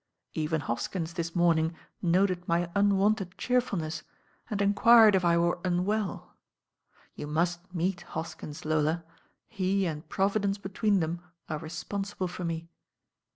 Even Hoskins this mohi ing noted my unwonted cheerfuhiess and enquired if I were unwell. You must meet Hoskins, Lola, he and Providence between them are responsible for me.